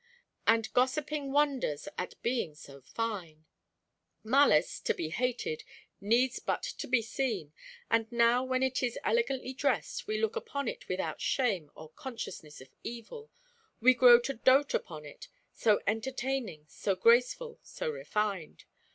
"And gossiping wonders at being so fine "Malice, to be hated, needs but to be seen, but now when it is elegantly dressed we look upon it without shame or consciousness of evil; we grow to doat upon it so entertaining, so graceful, so refined.